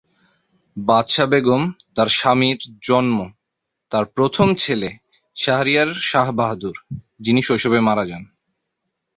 বাদশা বেগম তার স্বামীর জন্ম তাঁর প্রথম ছেলে শাহরিয়ার শাহ বাহাদুর, যিনি শৈশবে মারা যান।